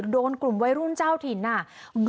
โดนกลุ่มวัยรุ่นเจ้าถิ่นน่ะ